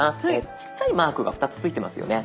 ちっちゃいマークが２つついてますよね。